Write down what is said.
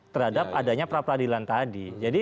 terhadap adanya pra peradilan tadi